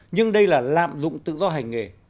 nhưng đây là lạm dụng tự do hành nghề